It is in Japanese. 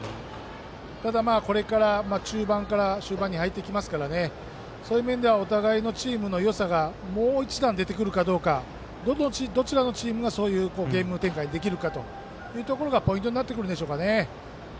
ただ、これから中盤から終盤に入っていきますからそういう面ではお互いのチームのよさがもう一段出てくるかどちらのチームがそういうゲーム展開ができるかというところがポイントになってくるでしょうかね。